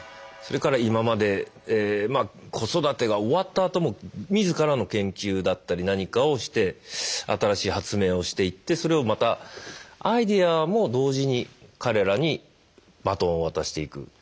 それから今まで子育てが終わったあとも自らの研究だったり何かをして新しい発明をしていってそれをまたアイデアも同時に彼らにバトンを渡していく。